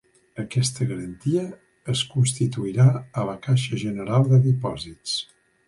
Aquesta garantia es constituirà a la Caixa General de Dipòsits.